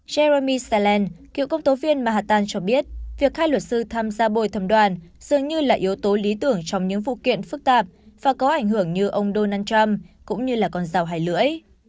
ery salen cựu công tố viên mahatan cho biết việc hai luật sư tham gia bồi thẩm đoàn dường như là yếu tố lý tưởng trong những vụ kiện phức tạp và có ảnh hưởng như ông donald trump cũng như là con rào hai lưỡi